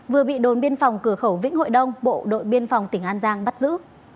vừa bị đồn biên phòng cửa khẩu vĩnh hội đông bộ đội biên phòng tỉnh an giang bắt giữ